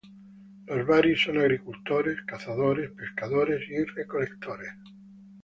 Los barí son agricultores, cazadores, pescadores y recolectores.